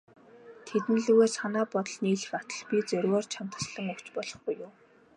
Тэдэн лүгээ санаа бодол нийлэх атал, би зоригоор чамд таслан өгч болох буюу.